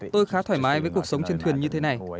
tôi khá thoải mái với cuộc sống trên thuyền như thế này